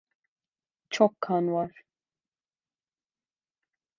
Çok kan var.